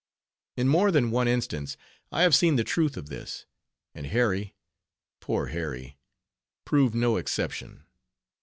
In more than one instance I have seen the truth of this; and Harry, poor Harry, proved no exception.